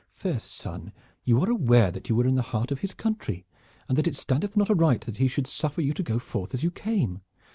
"Fair son, you are aware that you are in the heart of his country and that it standeth not aright that he should suffer you to go forth as you came.